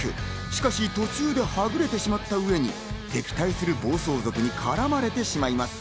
だが、途中ではくれてしまうと敵対する暴走族に絡まれてしまいます。